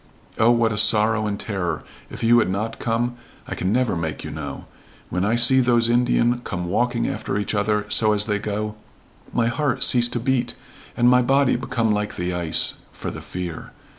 Oh, what a sorrow and terror if you had not come I can never make you know. When I see those Indian come walking after each other so as they go my heart cease to beat and my body become like the ice for the fear.